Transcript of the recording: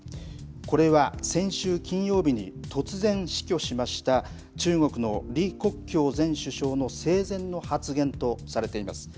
これは先週金曜日に、突然死去しました、中国の李克強前首相の生前の発言とされています。